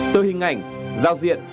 từ hình ảnh giao diện